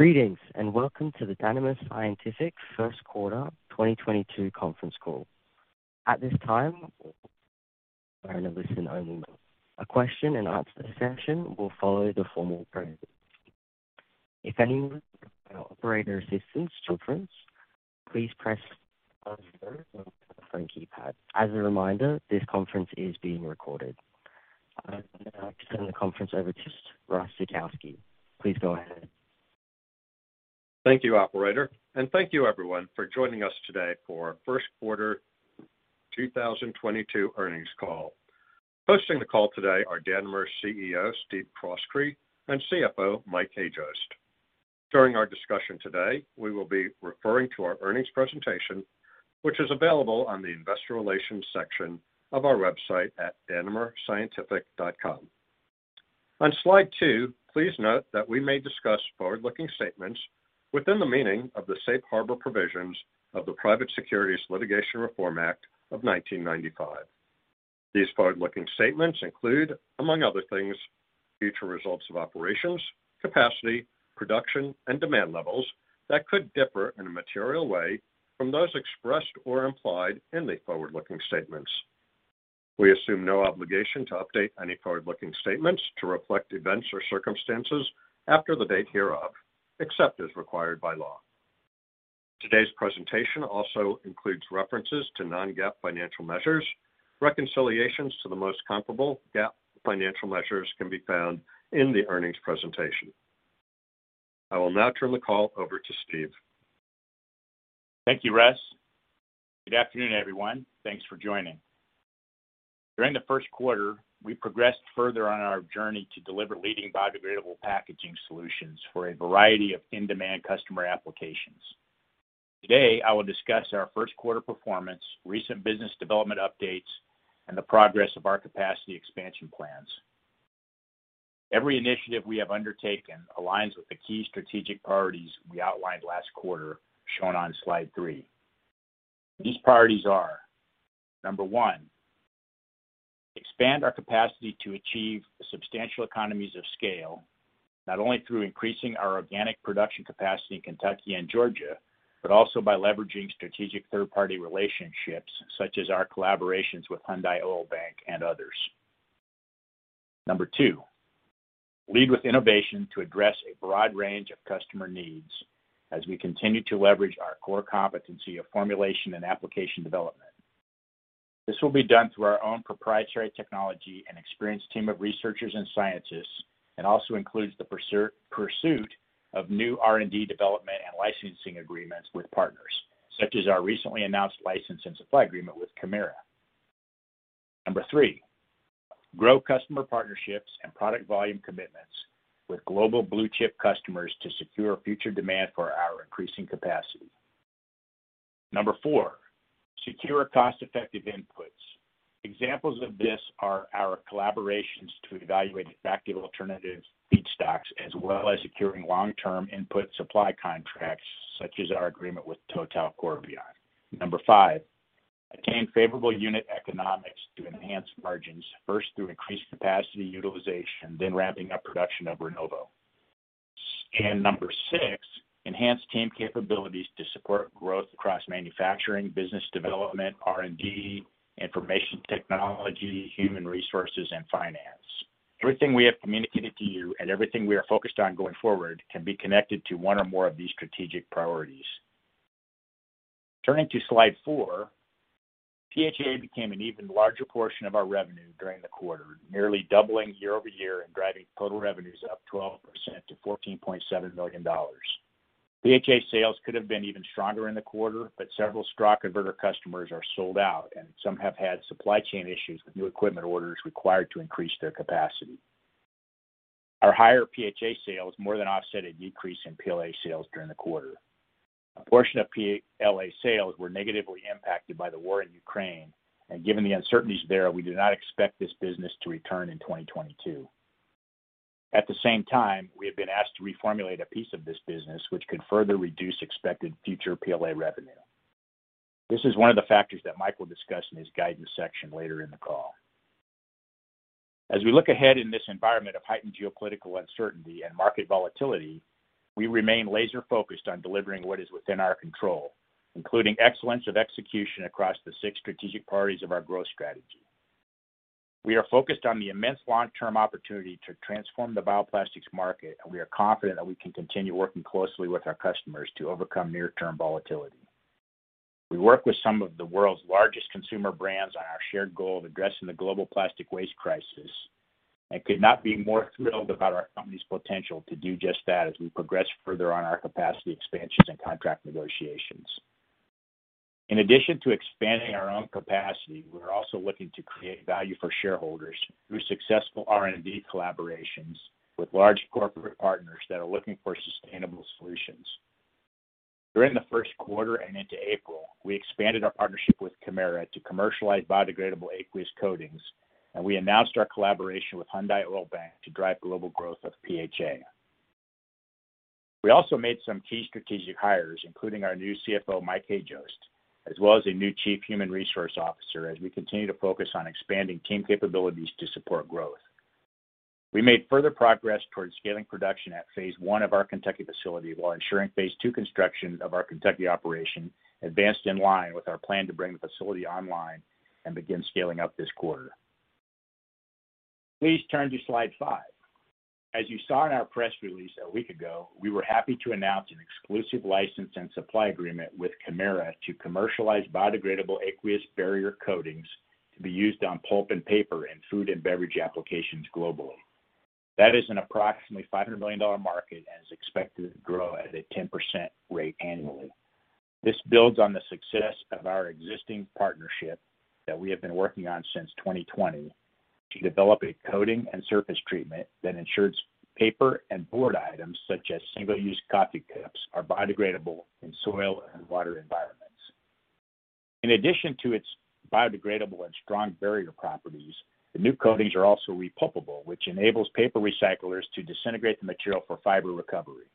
Greetings, and welcome to the Danimer Scientific first quarter 2022 conference call. At this time, all participants are in a listen-only mode. A question-and-answer session will follow the formal presentation. If anyone requires operator assistance during this, please press star zero on the phone keypad. As a reminder, this conference is being recorded. I would now like to turn the conference over to Russ Zukowski. Please go ahead. Thank you, operator. Thank you everyone for joining us today for our first quarter 2022 earnings call. Hosting the call today are Danimer CEO Steve Croskrey and CFO Mike Hajost. During our discussion today, we will be referring to our earnings presentation, which is available on the investor relations section of our website at danimerscientific.com. On slide two, please note that we may discuss forward-looking statements within the meaning of the Safe Harbor Provisions of the Private Securities Litigation Reform Act of 1995. These forward-looking statements include, among other things, future results of operations, capacity, production, and demand levels that could differ in a material way from those expressed or implied in the forward-looking statements. We assume no obligation to update any forward-looking statements to reflect events or circumstances after the date hereof, except as required by law. Today's presentation also includes references to non-GAAP financial measures. Reconciliations to the most comparable GAAP financial measures can be found in the earnings presentation. I will now turn the call over to Steve. Thank you, Russ. Good afternoon, everyone. Thanks for joining. During the first quarter, we progressed further on our journey to deliver leading biodegradable packaging solutions for a variety of in-demand customer applications. Today, I will discuss our first quarter performance, recent business development updates, and the progress of our capacity expansion plans. Every initiative we have undertaken aligns with the key strategic priorities we outlined last quarter, shown on slide three. These priorities are, number one, expand our capacity to achieve substantial economies of scale, not only through increasing our organic production capacity in Kentucky and Georgia, but also by leveraging strategic third-party relationships such as our collaborations with Hyundai Oilbank and others. Number two, lead with innovation to address a broad range of customer needs as we continue to leverage our core competency of formulation and application development. This will be done through our own proprietary technology and experienced team of researchers and scientists, and also includes the pursuit of new R&D development and licensing agreements with partners, such as our recently announced license and supply agreement with Kemira. Number three, grow customer partnerships and product volume commitments with global blue-chip customers to secure future demand for our increasing capacity. Number four, secure cost-effective inputs. Examples of this are our collaborations to evaluate effective alternative feedstocks, as well as securing long-term input supply contracts, such as our agreement with TotalEnergies Corbion. Number five, attain favorable unit economics to enhance margins, first through increased capacity utilization, then ramping up production of Rinnovo. Number six, enhance team capabilities to support growth across manufacturing, business development, R&D, information technology, human resources, and finance. Everything we have communicated to you and everything we are focused on going forward can be connected to one or more of these strategic priorities. Turning to slide four, PHA became an even larger portion of our revenue during the quarter, nearly doubling year-over-year and driving total revenues up 12% to $14.7 million. PHA sales could have been even stronger in the quarter, but several straw converter customers are sold out, and some have had supply chain issues with new equipment orders required to increase their capacity. Our higher PHA sales more than offset a decrease in PLA sales during the quarter. A portion of PLA sales were negatively impacted by the war in Ukraine, and given the uncertainties there, we do not expect this business to return in 2022. At the same time, we have been asked to reformulate a piece of this business, which could further reduce expected future PLA revenue. This is one of the factors that Mike will discuss in his guidance section later in the call. As we look ahead in this environment of heightened geopolitical uncertainty and market volatility, we remain laser-focused on delivering what is within our control, including excellence of execution across the six strategic priorities of our growth strategy. We are focused on the immense long-term opportunity to transform the bioplastics market, and we are confident that we can continue working closely with our customers to overcome near-term volatility. We work with some of the world's largest consumer brands on our shared goal of addressing the global plastic waste crisis and could not be more thrilled about our company's potential to do just that as we progress further on our capacity expansions and contract negotiations. In addition to expanding our own capacity, we're also looking to create value for shareholders through successful R&D collaborations with large corporate partners that are looking for sustainable solutions. During the first quarter and into April, we expanded our partnership with Kemira to commercialize biodegradable aqueous coatings, and we announced our collaboration with Hyundai Oilbank to drive global growth of PHA. We also made some key strategic hires, including our new CFO, Mike Hajost, as well as a new chief human resource officer as we continue to focus on expanding team capabilities to support growth. We made further progress towards scaling production at phase one of our Kentucky facility while ensuring phase two construction of our Kentucky operation advanced in line with our plan to bring the facility online and begin scaling up this quarter. Please turn to slide five. As you saw in our press release a week ago, we were happy to announce an exclusive license and supply agreement with Kemira to commercialize biodegradable aqueous barrier coatings to be used on pulp and paper in food and beverage applications globally. That is an approximately $500 million market and is expected to grow at a 10% rate annually. This builds on the success of our existing partnership that we have been working on since 2020 to develop a coating and surface treatment that ensures paper and board items such as single-use coffee cups are biodegradable in soil and water environments. In addition to its biodegradable and strong barrier properties, the new coatings are also repulpable, which enables paper recyclers to disintegrate the material for fiber recovery.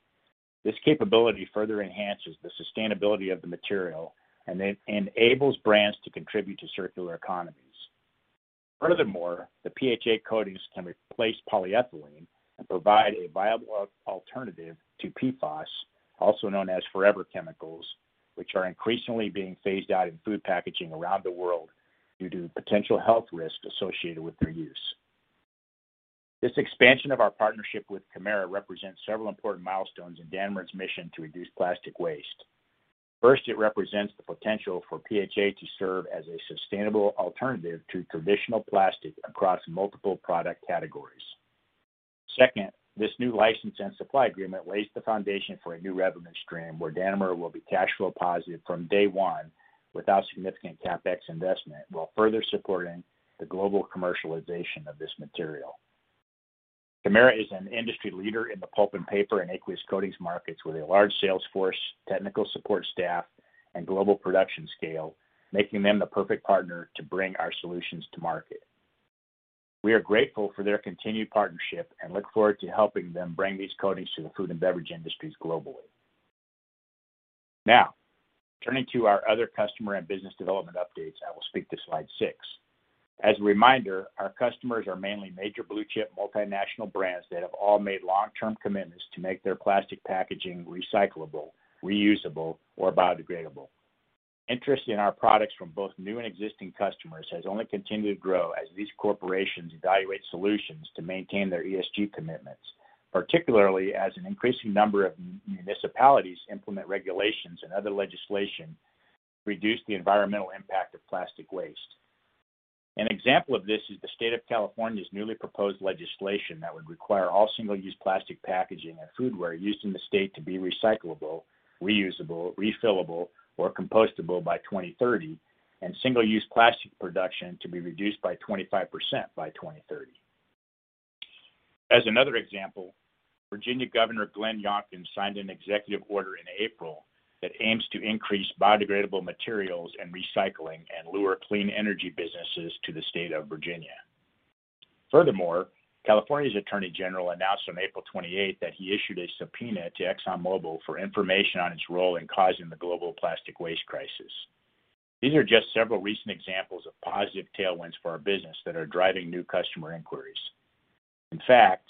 This capability further enhances the sustainability of the material and enables brands to contribute to circular economies. Furthermore, the PHA coatings can replace polyethylene and provide a viable alternative to PFAS, also known as forever chemicals, which are increasingly being phased out in food packaging around the world due to potential health risks associated with their use. This expansion of our partnership with Kemira represents several important milestones in Danimer's mission to reduce plastic waste. First, it represents the potential for PHA to serve as a sustainable alternative to traditional plastic across multiple product categories. Second, this new license and supply agreement lays the foundation for a new revenue stream where Danimer will be cash flow positive from day one without significant CapEx investment while further supporting the global commercialization of this material. Kemira is an industry leader in the pulp and paper and aqueous coatings markets with a large sales force, technical support staff, and global production scale, making them the perfect partner to bring our solutions to market. We are grateful for their continued partnership and look forward to helping them bring these coatings to the food and beverage industries globally. Now, turning to our other customer and business development updates, I will speak to slide six. As a reminder, our customers are mainly major blue-chip multinational brands that have all made long-term commitments to make their plastic packaging recyclable, reusable, or biodegradable. Interest in our products from both new and existing customers has only continued to grow as these corporations evaluate solutions to maintain their ESG commitments, particularly as an increasing number of municipalities implement regulations and other legislation to reduce the environmental impact of plastic waste. An example of this is the state of California's newly proposed legislation that would require all single-use plastic packaging and foodware used in the state to be recyclable, reusable, refillable, or compostable by 2030, and single-use plastic production to be reduced by 25% by 2030. Virginia Governor Glenn Youngkin signed an executive order in April that aims to increase biodegradable materials and recycling and lure clean energy businesses to the state of Virginia. Furthermore, California's attorney general announced on April 28th that he issued a subpoena to ExxonMobil for information on its role in causing the global plastic waste crisis. These are just several recent examples of positive tailwinds for our business that are driving new customer inquiries. In fact,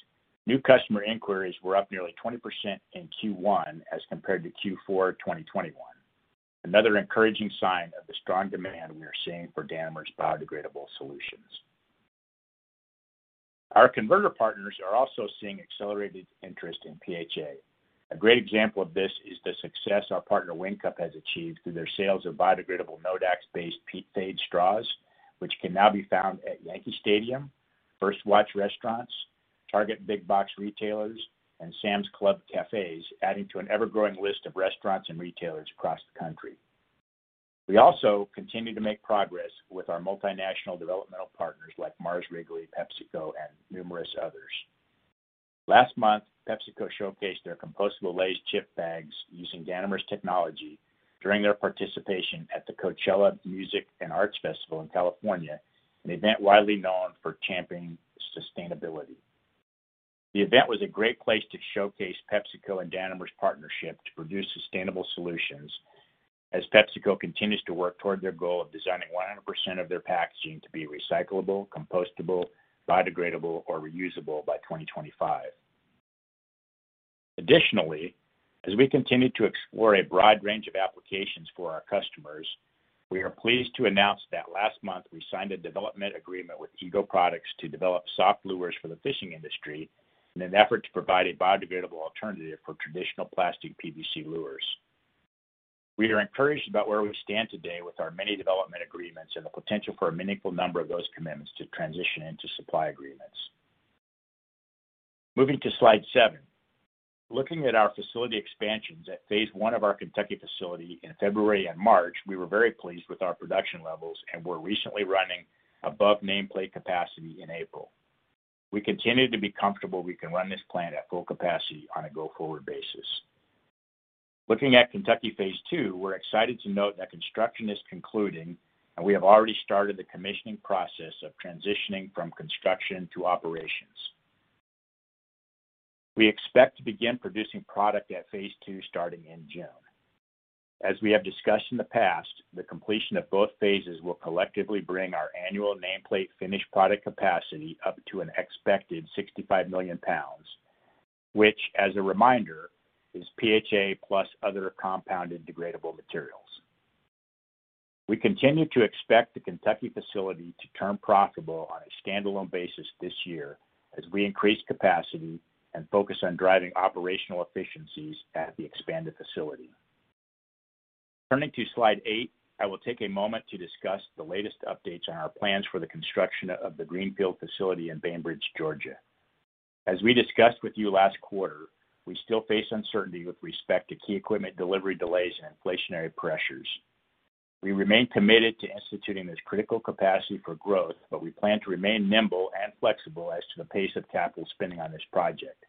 new customer inquiries were up nearly 20% in Q1 as compared to Q4 2021, another encouraging sign of the strong demand we are seeing for Danimer's biodegradable solutions. Our converter partners are also seeing accelerated interest in PHA. A great example of this is the success our partner WinCup has achieved through their sales of biodegradable Nodax-based phade straws, which can now be found at Yankee Stadium, First Watch restaurants, Target big box retailers, and Sam's Club cafes, adding to an ever-growing list of restaurants and retailers across the country. We also continue to make progress with our multinational developmental partners like Mars Wrigley, PepsiCo, and numerous others. Last month, PepsiCo showcased their compostable Lay's chip bags using Danimer's technology during their participation at the Coachella Music and Arts Festival in California, an event widely known for championing sustainability. The event was a great place to showcase PepsiCo and Danimer's partnership to produce sustainable solutions as PepsiCo continues to work toward their goal of designing 100% of their packaging to be recyclable, compostable, biodegradable, or reusable by 2025. Additionally, as we continue to explore a broad range of applications for our customers, we are pleased to announce that last month we signed a development agreement with EGO Products to develop soft lures for the fishing industry in an effort to provide a biodegradable alternative for traditional plastic PVC lures. We are encouraged about where we stand today with our many development agreements and the potential for a meaningful number of those commitments to transition into supply agreements. Moving to slide seven. Looking at our facility expansions at phase one of our Kentucky facility in February and March, we were very pleased with our production levels and were recently running above nameplate capacity in April. We continue to be comfortable we can run this plant at full capacity on a go-forward basis. Looking at Kentucky phase two, we're excited to note that construction is concluding, and we have already started the commissioning process of transitioning from construction to operation. We expect to begin producing product at phase two starting in June. As we have discussed in the past, the completion of both phases will collectively bring our annual nameplate finished product capacity up to an expected $65 million, which, as a reminder, is PHA plus other compounded degradable materials. We continue to expect the Kentucky facility to turn profitable on a standalone basis this year as we increase capacity and focus on driving operational efficiencies at the expanded facility. Turning to slide eight, I will take a moment to discuss the latest updates on our plans for the construction of the greenfield facility in Bainbridge, Georgia. As we discussed with you last quarter, we still face uncertainty with respect to key equipment delivery delays and inflationary pressures. We remain committed to instituting this critical capacity for growth, but we plan to remain nimble and flexible as to the pace of capital spending on this project.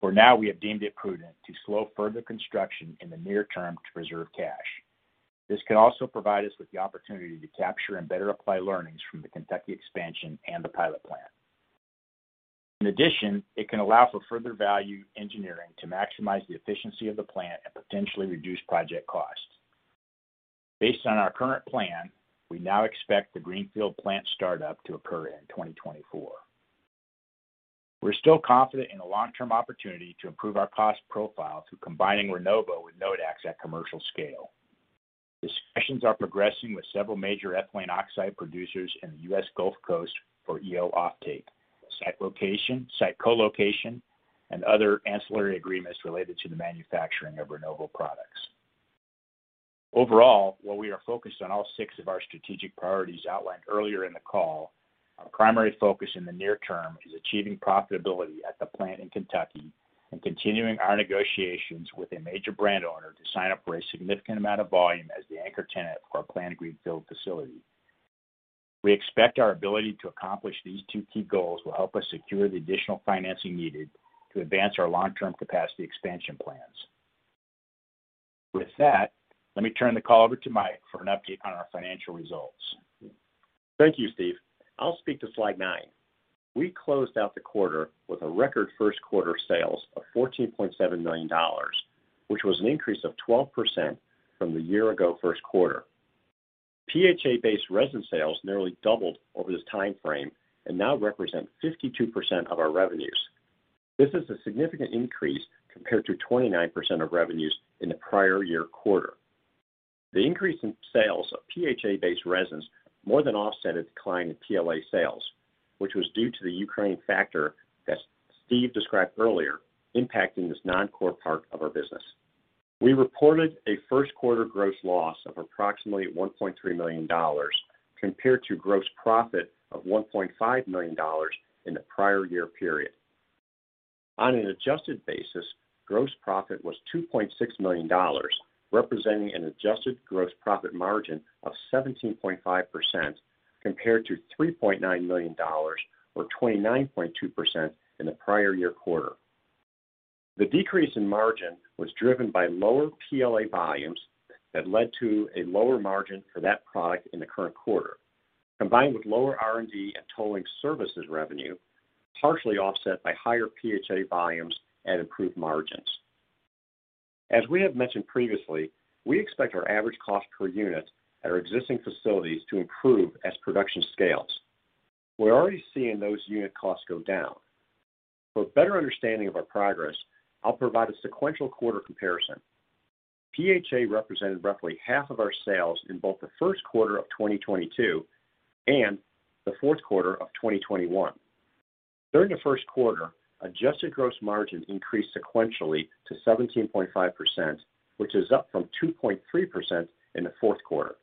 For now, we have deemed it prudent to slow further construction in the near term to preserve cash. This can also provide us with the opportunity to capture and better apply learnings from the Kentucky expansion and the pilot plant. In addition, it can allow for further value engineering to maximize the efficiency of the plant and potentially reduce project costs. Based on our current plan, we now expect the greenfield plant startup to occur in 2024. We're still confident in the long-term opportunity to improve our cost profile through combining Rinnovo with Nodax at commercial scale. Discussions are progressing with several major ethylene oxide producers in the U.S. Gulf Coast for EO offtake, site location, site co-location, and other ancillary agreements related to the manufacturing of Rinnovo products. Overall, while we are focused on all six of our strategic priorities outlined earlier in the call, our primary focus in the near term is achieving profitability at the plant in Kentucky and continuing our negotiations with a major brand owner to sign up for a significant amount of volume as the anchor tenant for our planned greenfield facility. We expect our ability to accomplish these two key goals will help us secure the additional financing needed to advance our long-term capacity expansion plans. With that, let me turn the call over to Mike for an update on our financial results. Thank you, Steve. I'll speak to slide nine. We closed out the quarter with a record first quarter sales of $14.7 million, which was an increase of 12% from the year ago first quarter. PHA-based resin sales nearly doubled over this time frame and now represent 52% of our revenues. This is a significant increase compared to 29% of revenues in the prior year quarter. The increase in sales of PHA-based resins more than offset a decline in PLA sales, which was due to the Ukraine factor that Steve described earlier, impacting this non-core part of our business. We reported a first quarter gross loss of approximately $1.3 million compared to gross profit of $1.5 million in the prior year period. On an adjusted basis, gross profit was $2.6 million, representing an adjusted gross profit margin of 17.5% compared to $3.9 million or 29.2% in the prior year quarter. The decrease in margin was driven by lower PLA volumes that led to a lower margin for that product in the current quarter, combined with lower R&D and tooling services revenue, partially offset by higher PHA volumes and improved margins. As we have mentioned previously, we expect our average cost per unit at our existing facilities to improve as production scales. We're already seeing those unit costs go down. For a better understanding of our progress, I'll provide a sequential quarter comparison. PHA represented roughly half of our sales in both the first quarter of 2022 and the fourth quarter of 2021. During the first quarter, adjusted gross margin increased sequentially to 17.5%, which is up from 2.3% in the fourth quarter.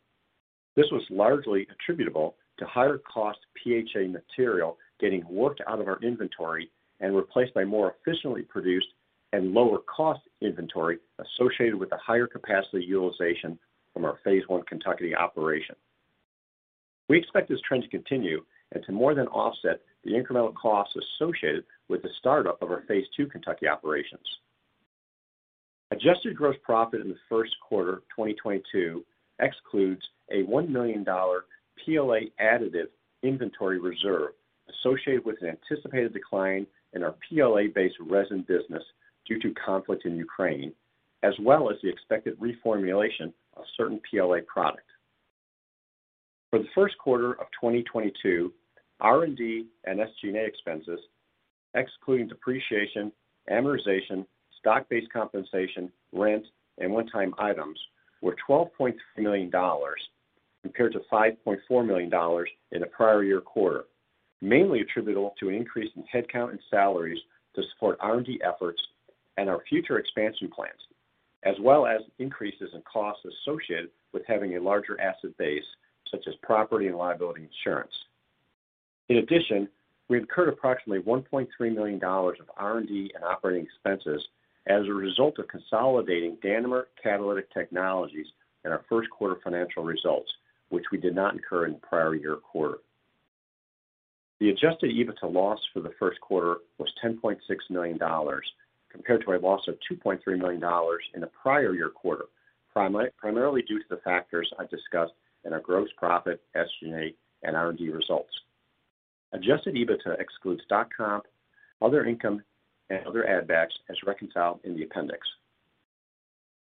This was largely attributable to higher cost PHA material getting worked out of our inventory and replaced by more efficiently produced and lower cost inventory associated with the higher capacity utilization from our phase one Kentucky operation. We expect this trend to continue and to more than offset the incremental costs associated with the startup of our phase two Kentucky operations. Adjusted gross profit in the first quarter of 2022 excludes a $1 million PLA additive inventory reserve associated with an anticipated decline in our PLA-based resin business due to conflict in Ukraine, as well as the expected reformulation of certain PLA products. For the first quarter of 2022, R&D and SG&A expenses, excluding depreciation, amortization, stock-based compensation, rent, and one-time items, were $12.3 million compared to $5.4 million in the prior year quarter, mainly attributable to an increase in headcount and salaries to support R&D efforts and our future expansion plans, as well as increases in costs associated with having a larger asset base, such as property and liability insurance. In addition, we incurred approximately $1.3 million of R&D and operating expenses as a result of consolidating Danimer Catalytic Technologies in our first quarter financial results, which we did not incur in the prior year quarter. The adjusted EBITDA loss for the first quarter was $10.6 million, compared to a loss of $2.3 million in the prior year quarter. Primarily due to the factors I discussed in our gross profit, SG&A, and R&D results. Adjusted EBITDA excludes stock comp, other income, and other add backs as reconciled in the appendix.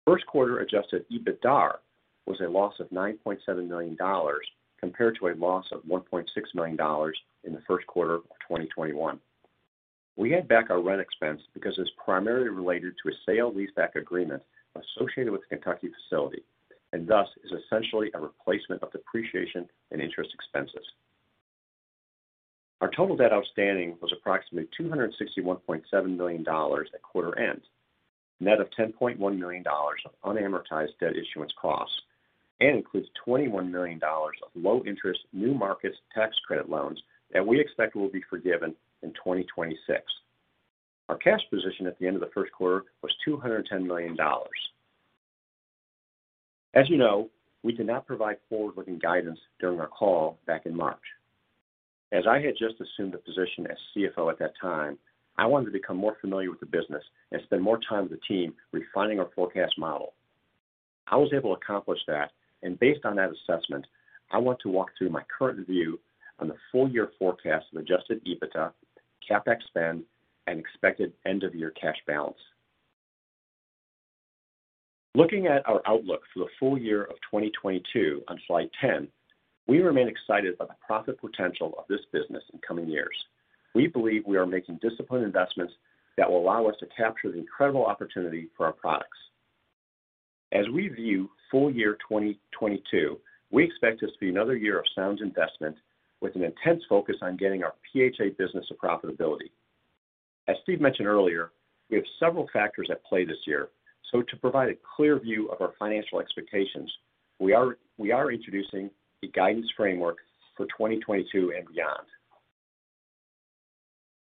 First quarter adjusted EBITDAR was a loss of $9.7 million compared to a loss of $1.6 million in the first quarter of 2021. We add back our rent expense because it's primarily related to a sale leaseback agreement associated with the Kentucky facility, and thus is essentially a replacement of depreciation and interest expenses. Our total debt outstanding was approximately $261.7 million at quarter end, net of $10.1 million of unamortized debt issuance costs, and includes $21 million of low interest New Markets Tax Credit loans that we expect will be forgiven in 2026. Our cash position at the end of the first quarter was $210 million. As you know, we did not provide forward-looking guidance during our call back in March. As I had just assumed the position as CFO at that time, I wanted to become more familiar with the business and spend more time with the team refining our forecast model. I was able to accomplish that, and based on that assessment, I want to walk through my current view on the full year forecast of adjusted EBITDA, CapEx spend, and expected end of year cash balance. Looking at our outlook for the full year of 2022 on slide 10, we remain excited about the profit potential of this business in coming years. We believe we are making disciplined investments that will allow us to capture the incredible opportunity for our products. As we view full year 2022, we expect this to be another year of sound investment with an intense focus on getting our PHA business to profitability. As Steve mentioned earlier, we have several factors at play this year. To provide a clear view of our financial expectations, we are introducing a guidance framework for 2022 and beyond.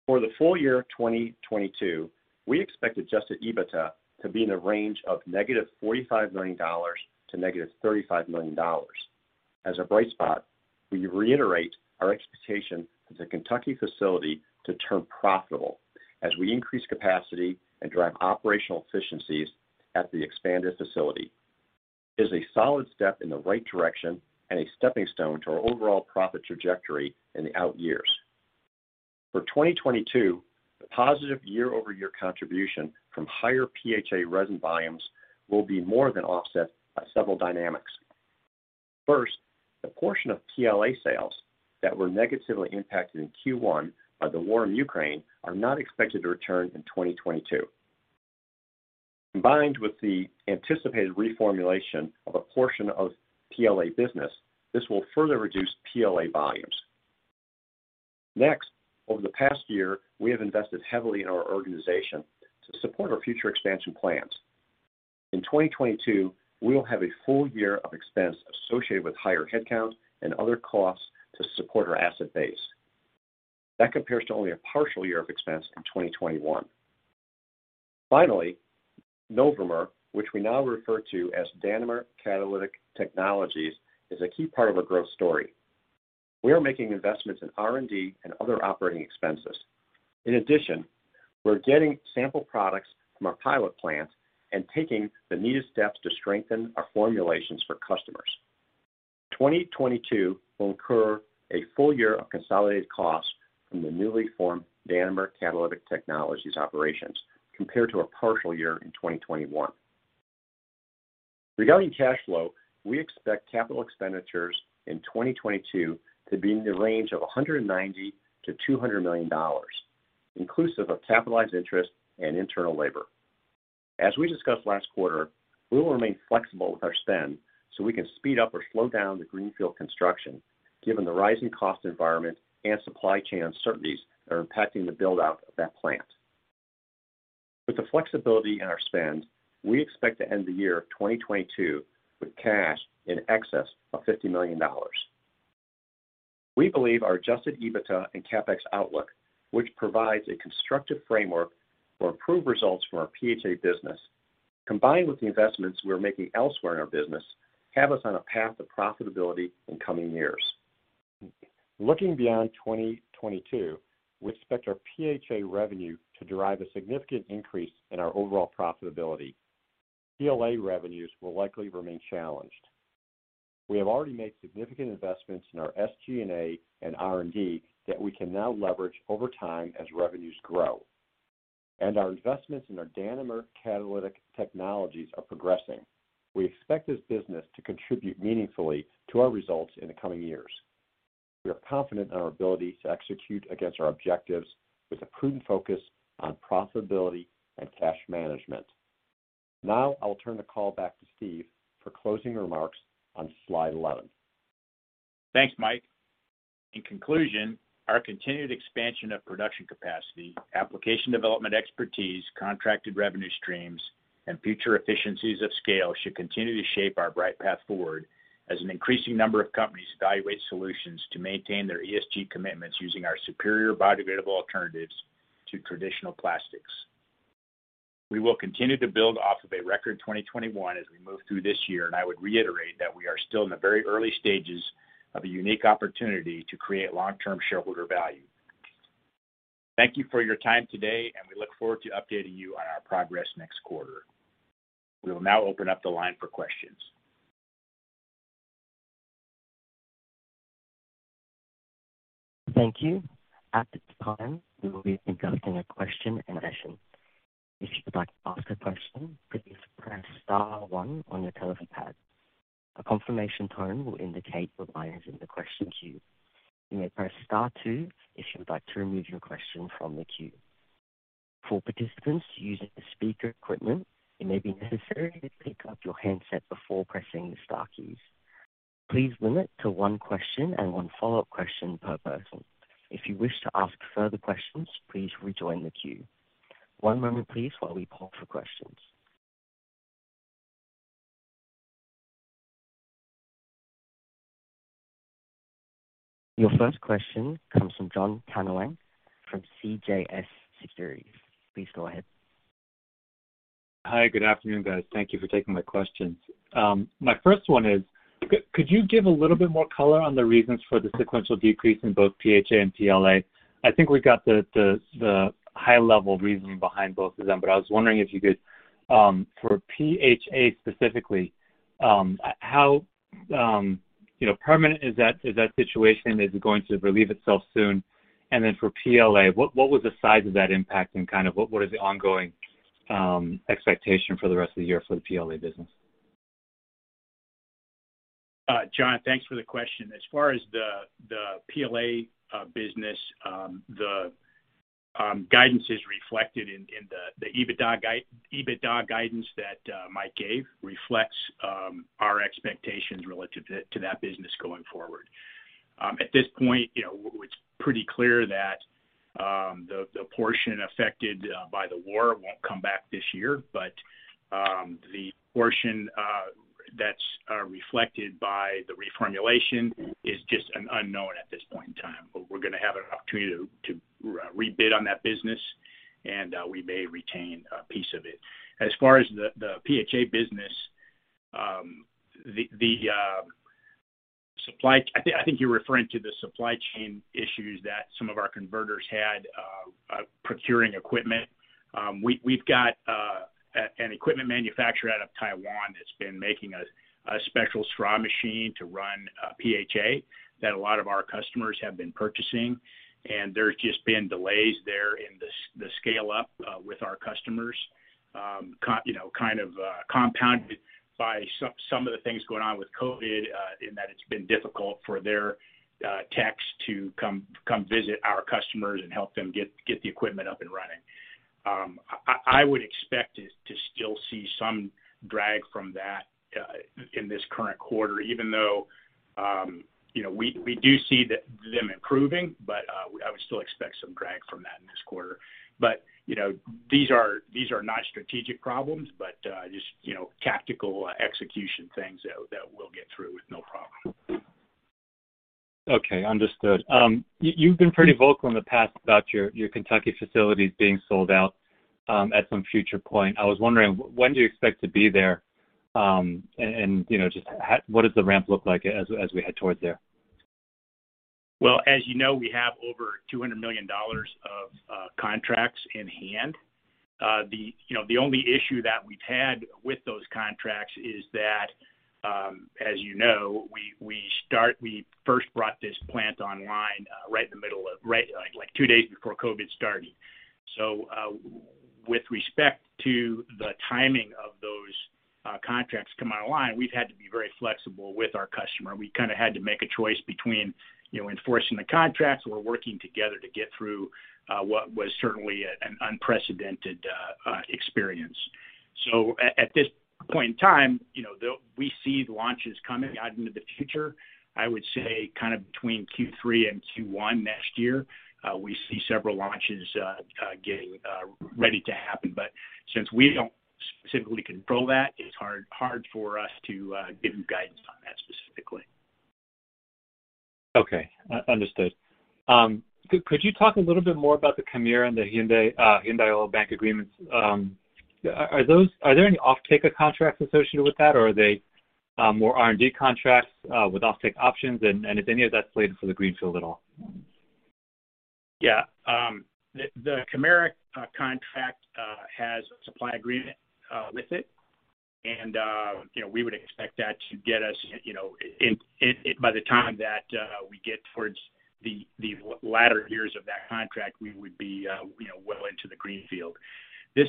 For the full year of 2022, we expect adjusted EBITDA to be in a range of -$45 million to -$35 million. As a bright spot, we reiterate our expectation for the Kentucky facility to turn profitable as we increase capacity and drive operational efficiencies at the expanded facility. It is a solid step in the right direction and a stepping stone to our overall profit trajectory in the out years. For 2022, the positive year-over-year contribution from higher PHA resin volumes will be more than offset by several dynamics. First, the portion of PLA sales that were negatively impacted in Q1 by the war in Ukraine are not expected to return in 2022. Combined with the anticipated reformulation of a portion of PLA business, this will further reduce PLA volumes. Next, over the past year, we have invested heavily in our organization to support our future expansion plans. In 2022, we will have a full year of expense associated with higher headcount and other costs to support our asset base. That compares to only a partial year of expense in 2021. Finally, Novomer, which we now refer to as Danimer Catalytic Technologies, is a key part of our growth story. We are making investments in R&D and other operating expenses. In addition, we're getting sample products from our pilot plant and taking the needed steps to strengthen our formulations for customers. 2022 will incur a full year of consolidated costs from the newly formed Danimer Catalytic Technologies operations compared to a partial year in 2021. Regarding cash flow, we expect capital expenditures in 2022 to be in the range of $190 million-$200 million, inclusive of capitalized interest and internal labor. As we discussed last quarter, we will remain flexible with our spend so we can speed up or slow down the greenfield construction given the rising cost environment and supply chain uncertainties that are impacting the build-out of that plant. With the flexibility in our spend, we expect to end the year of 2022 with cash in excess of $50 million. We believe our adjusted EBITDA and CapEx outlook, which provides a constructive framework for improved results from our PHA business, combined with the investments we're making elsewhere in our business, have us on a path to profitability in coming years. Looking beyond 2022, we expect our PHA revenue to drive a significant increase in our overall profitability. PLA revenues will likely remain challenged. We have already made significant investments in our SG&A and R&D that we can now leverage over time as revenues grow. Our investments in our Danimer Catalytic Technologies are progressing. We expect this business to contribute meaningfully to our results in the coming years. We are confident in our ability to execute against our objectives with a prudent focus on profitability and cash management. Now I'll turn the call back to Steve for closing remarks on slide 11. Thanks, Mike. In conclusion, our continued expansion of production capacity, application development expertise, contracted revenue streams, and future efficiencies of scale should continue to shape our bright path forward as an increasing number of companies evaluate solutions to maintain their ESG commitments using our superior biodegradable alternatives to traditional plastics. We will continue to build off of a record 2021 as we move through this year, and I would reiterate that we are still in the very early stages of a unique opportunity to create long-term shareholder value. Thank you for your time today, and we look forward to updating you on our progress next quarter. We will now open up the line for questions. Thank you. At this time, we will be conducting a question and answer. If you would like to ask a question, please press star one on your telephone pad. A confirmation tone will indicate your line is in the question queue. You may press star two if you'd like to remove your question from the queue. For participants using the speaker equipment, it may be necessary to pick up your handset before pressing the star keys. Please limit to one question and one follow-up question per person. If you wish to ask further questions, please rejoin the queue. One moment please while we poll for questions. Your first question comes from Jon Tanwanteng from CJS Securities. Please go ahead. Hi. Good afternoon, guys. Thank you for taking my questions. My first one is, could you give a little bit more color on the reasons for the sequential decrease in both PHA and PLA? I think we got the high level reasoning behind both of them, but I was wondering if you could, for PHA specifically, you know, how permanent is that situation? Is it going to relieve itself soon? And then for PLA, what was the size of that impact and kind of what is the ongoing expectation for the rest of the year for the PLA business? Jon, thanks for the question. As far as the PLA business, the guidance is reflected in the EBITDA guidance that Mike gave reflects our expectations relative to that business going forward. At this point, you know, it's pretty clear that the portion affected by the war won't come back this year. The portion that's reflected by the reformulation is just an unknown at this point in time. We're gonna have an opportunity to rebid on that business, and we may retain a piece of it. As far as the PHA business, I think you're referring to the supply chain issues that some of our converters had procuring equipment. We've got an equipment manufacturer out of Taiwan that's been making a special straw machine to run PHA that a lot of our customers have been purchasing. There's just been delays there in the scale-up with our customers, you know, kind of compounded by some of the things going on with COVID, in that it's been difficult for their techs to come visit our customers and help them get the equipment up and running. I would expect to still see some drag from that in this current quarter, even though, you know, we do see them improving, but I would still expect some drag from that in this quarter. You know, these are not strategic problems, but just, you know, tactical execution things that we'll get through with no problem. Okay. Understood. You've been pretty vocal in the past about your Kentucky facilities being sold out at some future point. I was wondering when do you expect to be there, and you know, what does the ramp look like as we head towards there? Well, as you know, we have over $200 million of contracts in hand. You know, the only issue that we've had with those contracts is that, as you know, we first brought this plant online, right, like two days before COVID started. With respect to the timing of those contracts coming online, we've had to be very flexible with our customer. We kinda had to make a choice between, you know, enforcing the contracts or working together to get through what was certainly an unprecedented experience. At this point in time, you know, we see the launches coming out into the future. I would say kind of between Q3 and Q1 next year, we see several launches getting ready to happen. Since we don't specifically control that, it's hard for us to give you guidance on that specifically. Okay. Understood. Could you talk a little bit more about the Kemira and the Hyundai Oilbank agreements? Are there any offtake contracts associated with that, or are they more R&D contracts with offtake options? Is any of that slated for the greenfield at all? Yeah. The Kemira contract has a supply agreement with it. You know, we would expect that to get us, you know. By the time that we get towards the latter years of that contract, we would be you know, well into the greenfield. This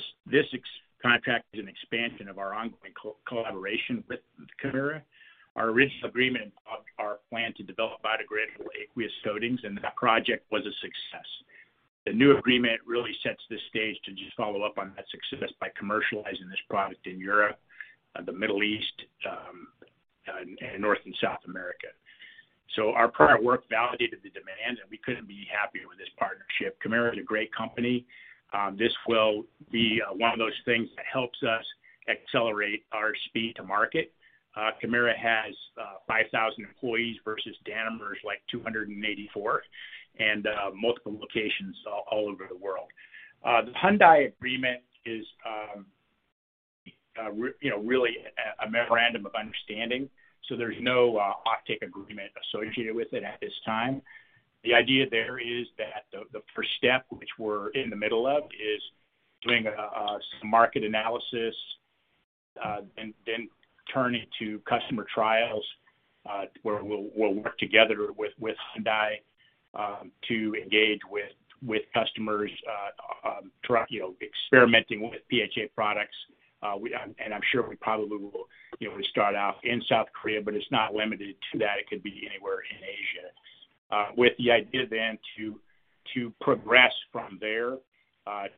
contract is an expansion of our ongoing collaboration with Kemira. Our original agreement involved our plan to develop biodegradable aqueous coatings, and that project was a success. The new agreement really sets the stage to just follow up on that success by commercializing this product in Europe, the Middle East, and North and South America. Our prior work validated the demand, and we couldn't be happier with this partnership. Kemira is a great company. This will be one of those things that helps us accelerate our speed to market. Kemira has 5,000 employees versus Danimer's, like, 284 and multiple locations all over the world. The Hyundai agreement is you know, really a memorandum of understanding. There's no offtake agreement associated with it at this time. The idea there is that the first step, which we're in the middle of, is doing some market analysis and then turn into customer trials, where we'll work together with Hyundai to engage with customers throughout you know, experimenting with PHA products. I'm sure we probably will you know, start out in South Korea, but it's not limited to that. It could be anywhere in Asia. With the idea then to progress from there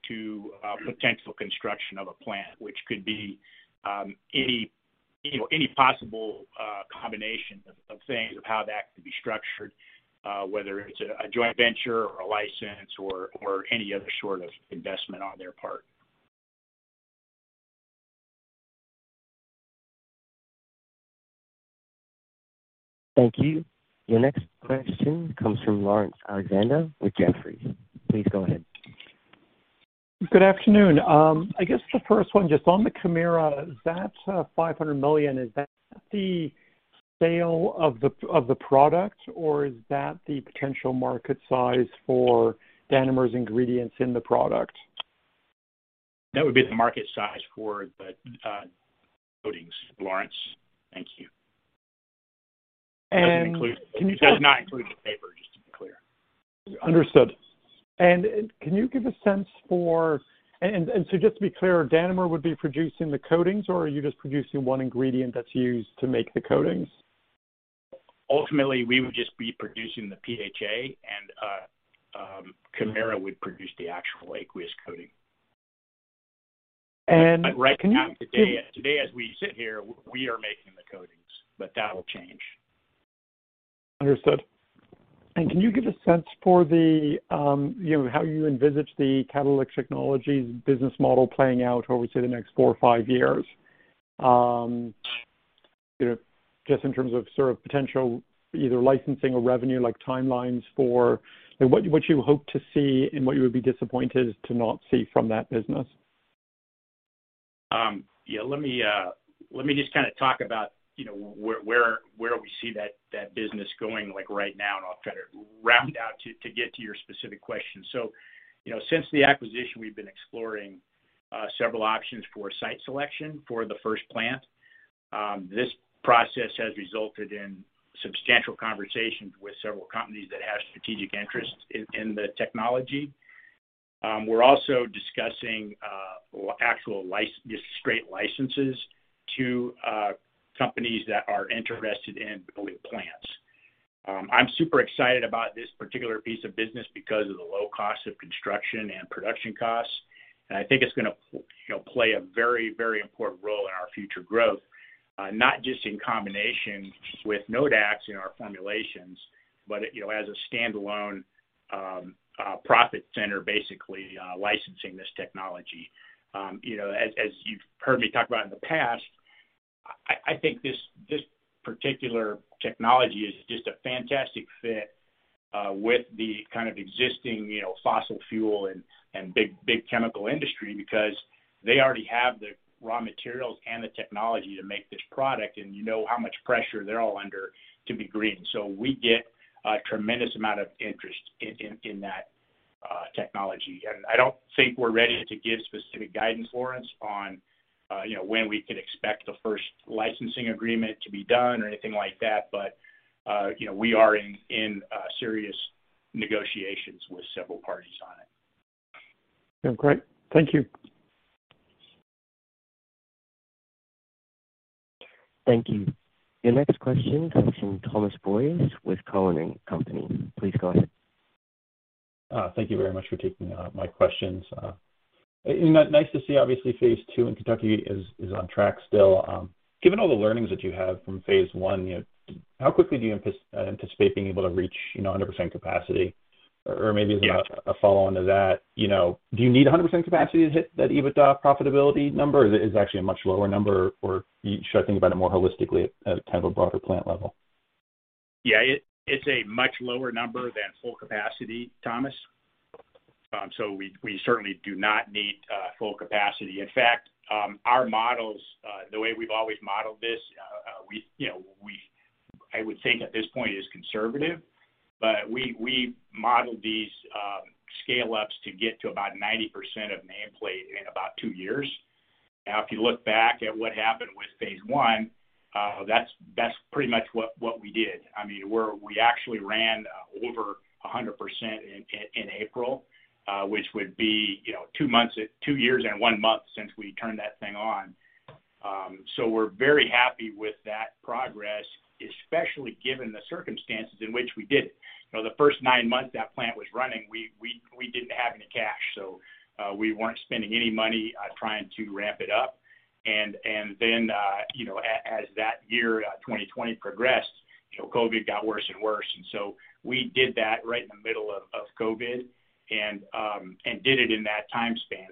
to potential construction of a plant, which could be any, you know, any possible combination of things of how that could be structured, whether it's a joint venture or a license or any other sort of investment on their part. Thank you. Your next question comes from Laurence Alexander with Jefferies. Please go ahead. Good afternoon. I guess the first one just on the Kemira, that $500 million, is that the sale of the product or is that the potential market size for Danimer's ingredients in the product? That would be the market size for the coatings, Laurence. Thank you. Can you tell- It does not include the paper, just to be clear. Understood. Just to be clear, Danimer would be producing the coatings or are you just producing one ingredient that's used to make the coatings? Ultimately, we would just be producing the PHA and, Kemira would produce the actual aqueous coating. Can you- Right now, today as we sit here, we are making the coatings, but that'll change. Understood. Can you give a sense for the, you know, how you envisage the catalytic technologies business model playing out over say the next four or five years? You know, just in terms of sort of potential either licensing or revenue like timelines for, you know, what you hope to see and what you would be disappointed to not see from that business. Yeah, let me just kinda talk about, you know, where we see that business going like right now, and I'll kind of round out to get to your specific question. You know, since the acquisition, we've been exploring several options for site selection for the first plant. This process has resulted in substantial conversations with several companies that have strategic interests in the technology. We're also discussing actual just straight licenses to companies that are interested in building plants. I'm super excited about this particular piece of business because of the low cost of construction and production costs. I think it's gonna play a very, very important role in our future growth, not just in combination with Nodax in our formulations, but it, you know, as a standalone, profit center, basically, licensing this technology. You know, as you've heard me talk about in the past, I think this particular technology is just a fantastic fit, with the kind of existing, you know, fossil fuel and big chemical industry because they already have the raw materials and the technology to make this product. You know how much pressure they're all under to be green. We get a tremendous amount of interest in that technology. I don't think we're ready to give specific guidance, Laurence, on, you know, when we could expect the first licensing agreement to be done or anything like that. You know, we are in serious negotiations with several parties on it. Yeah. Great. Thank you. Thank you. Your next question comes from Thomas Boyes with Cowen and Company. Please go ahead. Thank you very much for taking my questions. Nice to see obviously phase two in Kentucky is on track still. Given all the learnings that you have from phase one, you know, how quickly do you anticipate being able to reach, you know, 100% capacity? Or maybe as a follow-on to that, you know, do you need 100% capacity to hit that EBITDA profitability number? Or is it actually a much lower number? Or should I think about it more holistically at a kind of a broader plant level? Yeah. It's a much lower number than full capacity, Thomas. So we certainly do not need full capacity. In fact, our models, the way we've always modeled this, you know, I would say at this point is conservative, but we modeled these scale-ups to get to about 90% of nameplate in about two years. Now, if you look back at what happened with phase one, that's pretty much what we did. I mean, we actually ran over 100% in April, which would be, you know, two years and one month since we turned that thing on. So we're very happy with that progress, especially given the circumstances in which we did it. You know, the first nine months that plant was running, we didn't have any cash, so we weren't spending any money trying to ramp it up. You know, as that year, 2020 progressed, you know, COVID got worse and worse. We did that right in the middle of COVID and did it in that time span.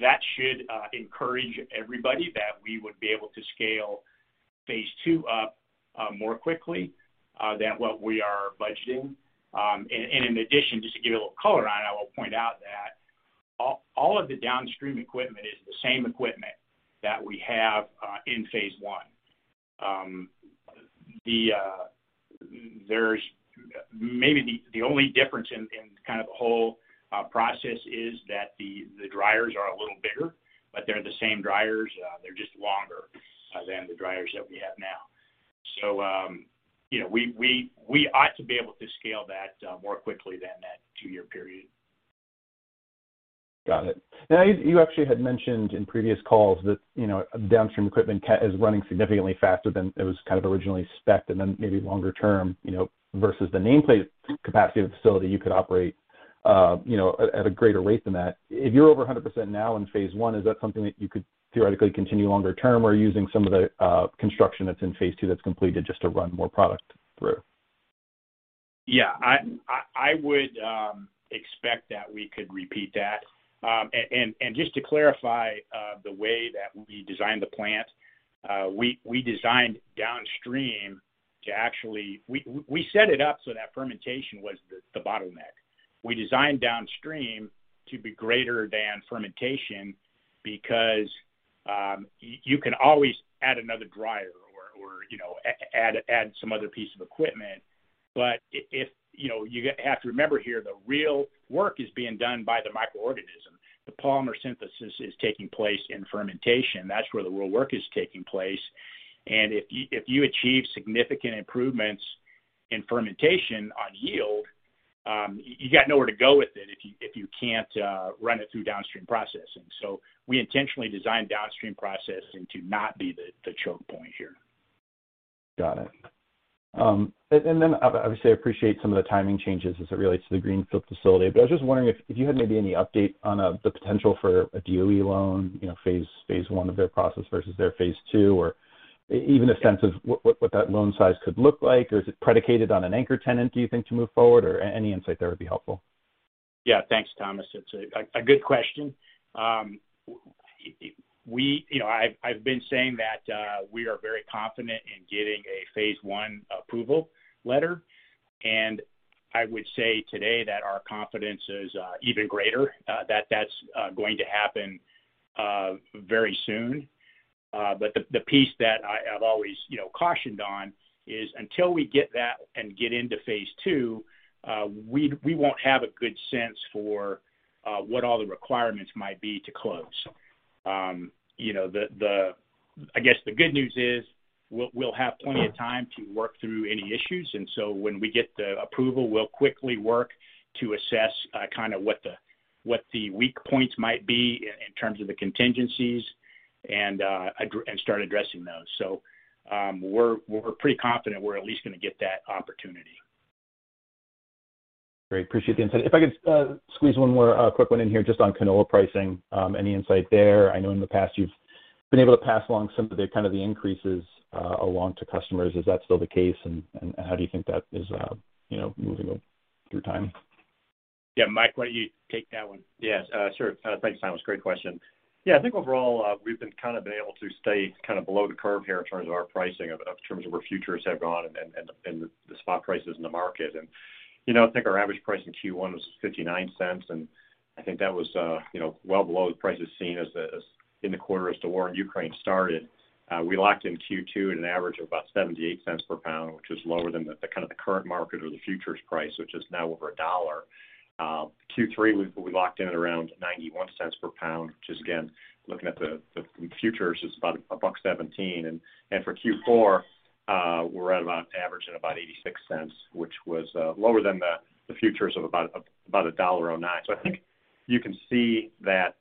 That should encourage everybody that we would be able to scale phase two up more quickly than what we are budgeting. In addition, just to give you a little color on it, I will point out that all of the downstream equipment is the same equipment that we have in phase one. Maybe the only difference in kind of the whole process is that the dryers are a little bigger, but they're the same dryers, they're just longer than the dryers that we have now. You know, we ought to be able to scale that more quickly than that two-year period. Got it. Now you actually had mentioned in previous calls that, you know, downstream equipment is running significantly faster than it was kind of originally specced, and then maybe longer term, you know, versus the nameplate capacity of the facility you could operate, you know, at a greater rate than that. If you're over 100% now in phase one, is that something that you could theoretically continue longer term or are you using some of the construction that's in phase two that's completed just to run more product through? Yeah. I would expect that we could repeat that. Just to clarify, the way that we designed the plant, we set it up so that fermentation was the bottleneck. We designed downstream to be greater than fermentation because you can always add another dryer or, you know, add some other piece of equipment. But if you have to remember here, the real work is being done by the microorganism. The polymer synthesis is taking place in fermentation. That's where the real work is taking place. If you achieve significant improvements in fermentation on yield, you got nowhere to go with it if you can't run it through downstream processing. We intentionally designed downstream processing to not be the choke point here. Got it. Obviously I appreciate some of the timing changes as it relates to the Greenfield facility, but I was just wondering if you had maybe any update on the potential for a DOE loan, you know, phase one of their process versus their phase two, or even a sense of what that loan size could look like, or is it predicated on an anchor tenant, do you think, to move forward? Or any insight there would be helpful. Yeah. Thanks, Thomas. It's a good question. You know, I've been saying that we are very confident in getting a phase one approval letter, and I would say today that our confidence is even greater that that's going to happen very soon. But the piece that I've always, you know, cautioned on is until we get that and get into phase two, we won't have a good sense for what all the requirements might be to close. I guess the good news is we'll have plenty of time to work through any issues, and so when we get the approval, we'll quickly work to assess kind of what the weak points might be in terms of the contingencies and start addressing those. We're pretty confident we're at least gonna get that opportunity. Great. Appreciate the insight. If I could squeeze one more quick one in here just on canola pricing, any insight there? I know in the past you've been able to pass along some of the kind of the increases along to customers. Is that still the case, and how do you think that is you know moving through time? Yeah. Mike, why don't you take that one? Yes. Sure. Thanks, Thomas. Great question. Yeah, I think overall, we've been able to stay kind of below the curve here in terms of our pricing in terms of where futures have gone and the spot prices in the market. You know, I think our average price in Q1 was $0.59, and I think that was, you know, well below the prices seen in the quarter as the war in Ukraine started. We locked in Q2 at an average of about $0.78 per pound, which is lower than the current market or the futures price, which is now over $1. Q3 we locked in at around $0.91 per pound, which is again, looking at the futures is about $1.17. For Q4, we're at about an average at about $0.86, which was lower than the futures of about $1.09. I think you can see that,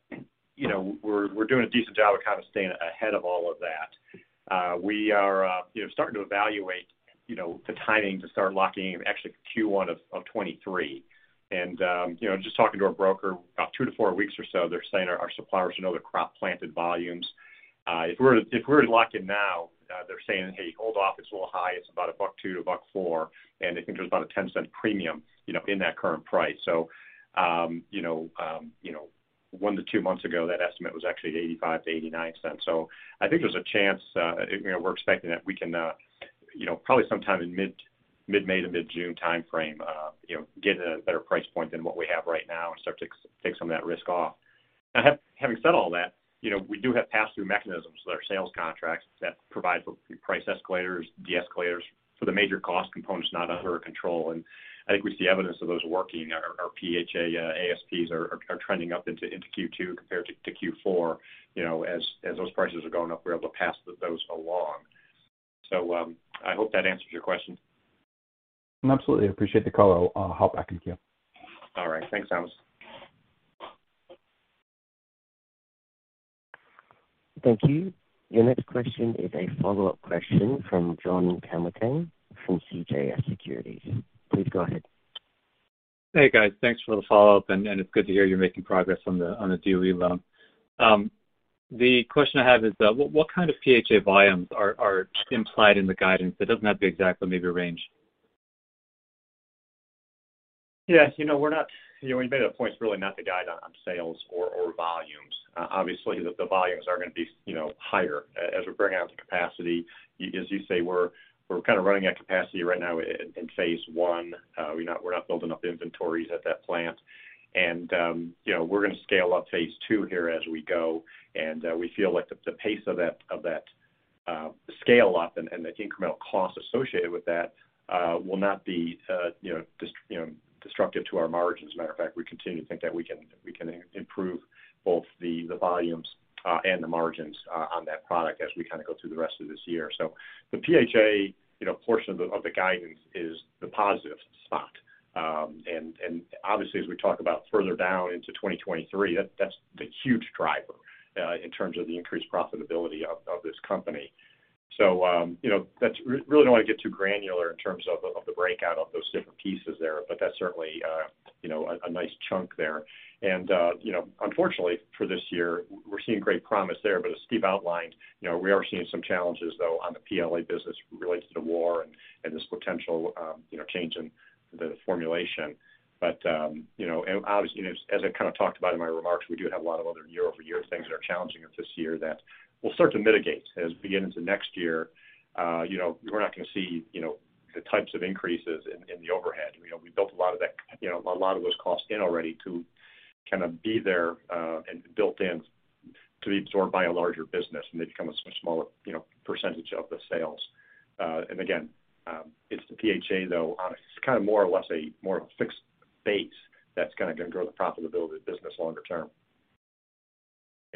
you know, we're doing a decent job of kind of staying ahead of all of that. We are, you know, starting to evaluate, you know, the timing to start locking actually Q1 of 2023. You know, just talking to our broker, about two to four weeks or so, they're saying our suppliers should know the crop planted volumes. If we were to lock in now, they're saying, "Hey, hold off. It's a little high. It's about $1.02-$1.04," and they think there's about a $0.10 premium, you know, in that current price. You know, one to two months ago, that estimate was actually at $0.85-$0.89. I think there's a chance, you know, we're expecting that we can, you know, probably sometime in mid-May to mid-June timeframe, you know, get a better price point than what we have right now and start to take some of that risk off. Now, having said all that, you know, we do have pass-through mechanisms with our sales contracts that provide price escalators, deescalators for the major cost components not under our control, and I think we see evidence of those working. Our PHA ASPs are trending up into Q2 compared to Q4. You know, as those prices are going up, we're able to pass those along. I hope that answers your question. Absolutely. Appreciate the color. I'll hop back in queue. All right. Thanks, Thomas. Thank you. Your next question is a follow-up question from Jon Tanwanteng from CJS Securities. Please go ahead. Hey, guys. Thanks for the follow-up, and it's good to hear you're making progress on the DOE loan. The question I have is, what kind of PHA volumes are implied in the guidance? It doesn't have to be exact, but maybe a range. Yeah. You know, we made a point it's really not to guide on sales or volumes. Obviously, the volumes are gonna be, you know, higher as we bring out the capacity. As you say, we're kinda running at capacity right now in phase one. We're not building up inventories at that plant. You know, we're gonna scale up phase two here as we go, and we feel like the pace of that scale up and the incremental cost associated with that will not be, you know, destructive to our margins. Matter of fact, we continue to think that we can improve both the volumes and the margins on that product as we kinda go through the rest of this year. The PHA, you know, portion of the guidance is the positive spot. Obviously, as we talk about further down into 2023, that's the huge driver in terms of the increased profitability of this company. You know, really don't wanna get too granular in terms of the breakout of those different pieces there, but that's certainly you know, a nice chunk there. You know, unfortunately for this year, we're seeing great promise there. As Steve outlined, you know, we are seeing some challenges though on the PLA business related to the war and this potential change in the formulation. You know, and obviously, as I kinda talked about in my remarks, we do have a lot of other year-over-year things that are challenging us this year that we'll start to mitigate as we get into next year. You know, we're not gonna see you know, the types of increases in the overhead. You know, we built a lot of that, you know, a lot of those costs in already to kinda be there, and built in to be absorbed by a larger business, and they become a smaller, you know, percentage of the sales. And again, it's the PHA, though, on a. It's kinda more or less a more of a fixed base that's gonna then grow the profitability of the business longer term,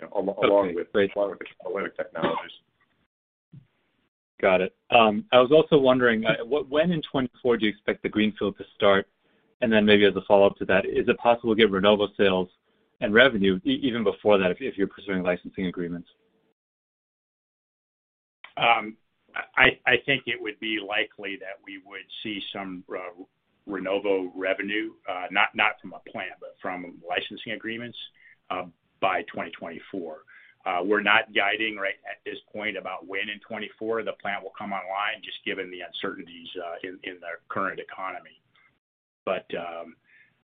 you know, along with the Catalytic Technologies. Got it. I was also wondering, when in 2024 do you expect the greenfield to start? Maybe as a follow-up to that, is it possible to get Rinnovo sales and revenue even before that if you're pursuing licensing agreements? I think it would be likely that we would see some Rinnovo revenue, not from a plant, but from licensing agreements, by 2024. We're not guiding right at this point about when in 2024 the plant will come online, just given the uncertainties in the current economy.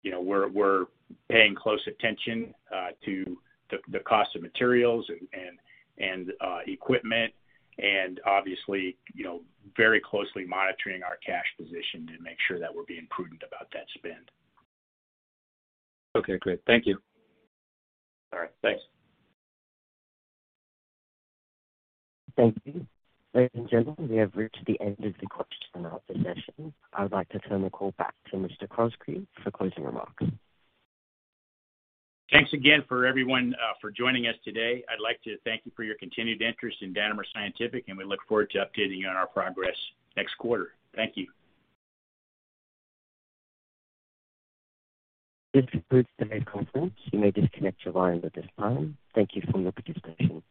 You know, we're paying close attention to the cost of materials and equipment, and obviously, you know, very closely monitoring our cash position to make sure that we're being prudent about that spend. Okay, great. Thank you. All right. Thanks. Thank you. Ladies and gentlemen, we have reached the end of the question and answer session. I would like to turn the call back to Mr. Croskrey for closing remarks. Thanks again for everyone, for joining us today. I'd like to thank you for your continued interest in Danimer Scientific, and we look forward to updating you on our progress next quarter. Thank you. This concludes the conference. You may disconnect your lines at this time. Thank you for your participation.